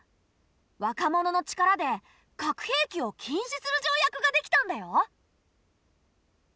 若者の力で核兵器を禁止する条約ができたんだよ！